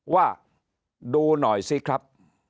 ว่าดูหน่อยสิครับ